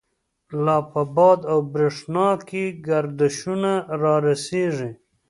لا په باد او برَښنا کی، گردشونه را رستیږی